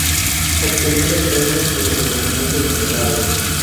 Obteniendo premios y reconocimientos en el área.